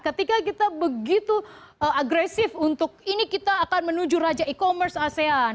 ketika kita begitu agresif untuk ini kita akan menuju raja e commerce asean